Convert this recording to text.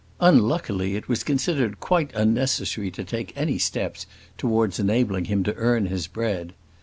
Unluckily it was considered quite unnecessary to take any steps towards enabling him to earn his bread.